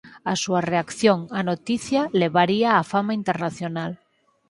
A súa reacción á noticia levaríaa á fama internacional.